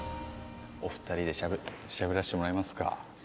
お二人でしゃべらせてもらいますか。